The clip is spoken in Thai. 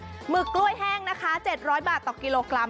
หมึกกล้วยแห้งนะคะ๗๐๐บาทต่อกิโลกรัม